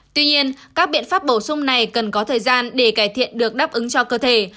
tuy nhiên các biện pháp bổ sung này cần có thời gian để cải thiện được đáp ứng cho cơ thể